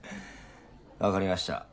分かりました。